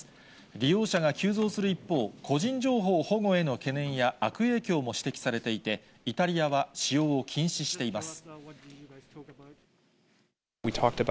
利用者が急増する一方、個人情報保護への懸念や悪影響も指摘されていて、イタリアは使用を禁止しています。